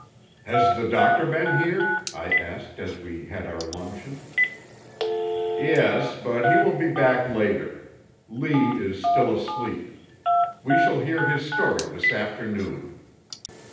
"Has the doctor been here?" I asked as we had our luncheon. "Yes, but he will be back later. Lee is still asleep. We shall hear his story this afternoon."